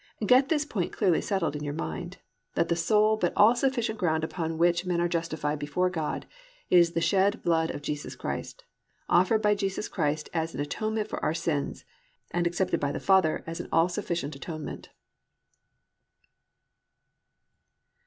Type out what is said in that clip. "+ Get this point clearly settled in your mind, that the _sole but all sufficient ground upon which men are justified before God is the shed blood of Jesus Christ, offered by Jesus Christ as an atonement for our sins_ and accepted by God the Father as an all sufficient atonement.